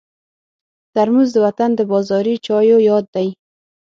ترموز د وطن د بازاري چایو یاد دی.